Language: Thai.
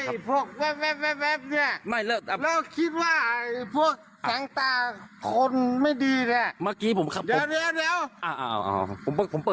ถือแบบที่ยังห่างคือ